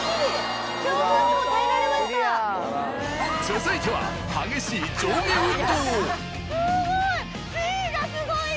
続いては激しい上下運動すごい！